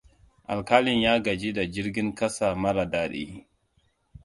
Alƙalin ya gaji da jirgin ƙasan mara daɗi.